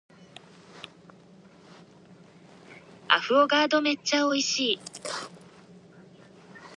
アフォガードめっちゃ美味しい